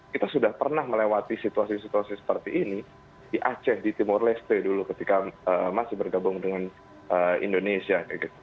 kita sudah pernah melewati situasi situasi seperti ini di aceh di timur leste dulu ketika masih bergabung dengan indonesia